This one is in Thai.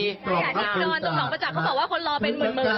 อย่าทิ้งนอนตรงหล่องประจักษ์เขาบอกว่าคนรอเป็นหมื่นแล้วค่ะ